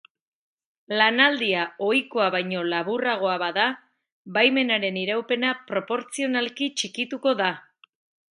Lanaldia ohikoa baino laburragoa bada, baimenaren iraupena proportzionalki txikituko da.